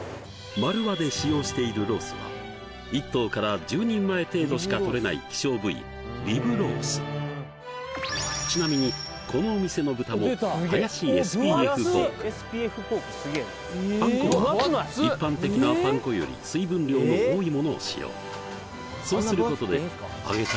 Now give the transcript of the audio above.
丸和で使用しているロースは１頭から１０人前程度しか取れないちなみにこのお店の豚もパン粉は一般的なパン粉より水分量の多いものを使用そうすることで揚げた